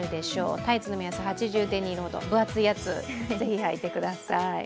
タイツの目安、８０デニールほど、分厚いやつをぜひ、履いてください。